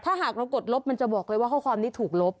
ถ้าหากเรากดลบมันจะบอกเลยว่าข้อความนี้ถูกลบ